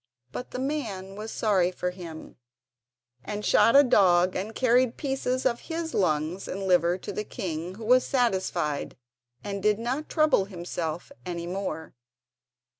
But the man was sorry for him, and shot a dog and carried pieces of his lungs and liver to the king, who was satisfied, and did not trouble himself any more.